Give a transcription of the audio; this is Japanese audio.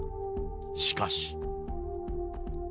しかし。